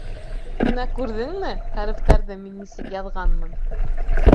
— Бына, күрҙеңме, хәрефтәрҙе мин нисек яҙғанмын.